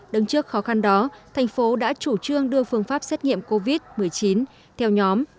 đứng trước khó khăn đó thành phố đã chủ trương đưa phương pháp xét nghiệm covid một mươi chín theo nhóm